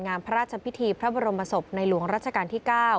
พระราชพิธีพระบรมศพในหลวงรัชกาลที่๙